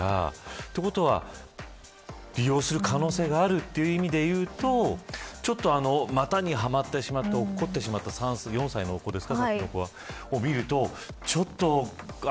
ということは利用する可能性があるという意味で言うとちょっと股にはまってしまって落っこちてしまった４歳の子どもですか。